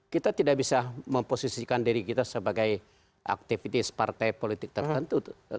kita tidak bisa memposisikan diri kita sebagai aktivis partai politik tertentu